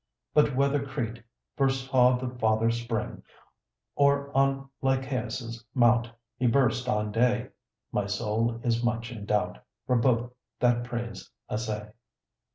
But whether Crete first saw the Father spring, Or on Lycæus's mount he burst on day, My soul is much in doubt, for both that praise essay.